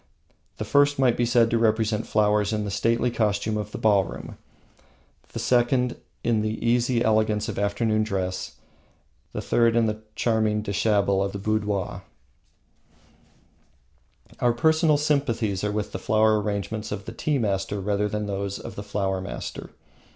The first might be said to represent flowers in the stately costume of the ballroom, the second in the easy elegance of afternoon dress, the third in the charming deshabille of the boudoir. Our personal sympathies are with the flower arrangements of the tea master rather than with those of the flower master.